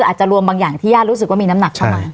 อาจจะรวมบางอย่างที่ญาติรู้สึกว่ามีน้ำหนักเข้ามา